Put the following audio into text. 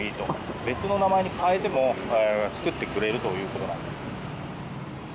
別の名前に変えても作ってくれるということなんです。